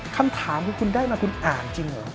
คำถามคือคุณได้มาคุณอ่านจริงเหรอ